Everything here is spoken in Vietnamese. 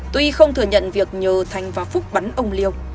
tuy không thừa nhận việc nhờ thành và phúc bắn ông liêu